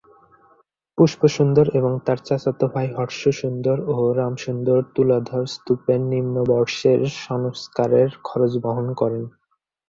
পুষ্প সুন্দর এবং তার চাচাত ভাই হর্ষ সুন্দর ও রাম সুন্দর তুলাধর স্তূপের নিম্নম্বরশের সংস্কারের খরচ বহন করেন।